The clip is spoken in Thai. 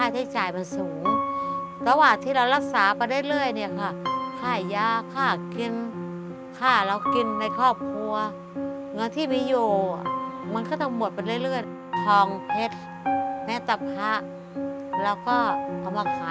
ที่ตาป่วยไปโรคไตเนี่ยนะคะเราใช้เงินเยอะมากค่ะ